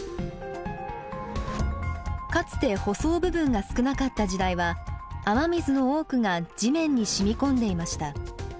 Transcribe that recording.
かつて舗装部分が少なかった時代は雨水の多くが地面にしみ込んでいました。